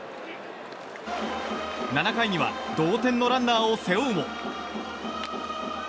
７回には同点のランナーを背負うも。